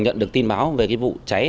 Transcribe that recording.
nhận được tin báo về vụ cháy